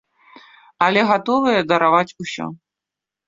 Але гатовыя дараваць усё.